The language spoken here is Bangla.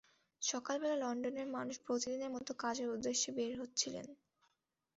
সকালবেলা লন্ডনের মানুষ প্রতিদিনের মতো কাজের উদ্দেশ্যে বের হচ্ছিলেন।